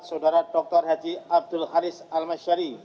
saudara dr haji abdul haris almasari